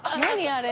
あれ。